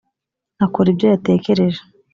akora ibyo yatekereje